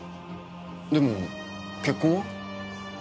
でも結婚は？